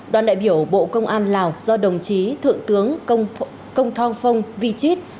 đoàn đại biểu bộ công an lào do đồng chí thượng tướng công thong phong vi chít